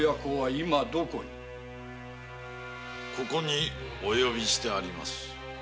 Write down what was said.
ここにお呼びしてあります。